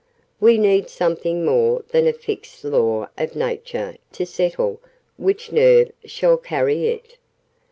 We need something more than a fixed Law of Nature to settle which nerve shall carry it.